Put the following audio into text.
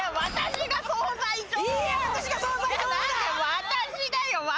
私だよ、私！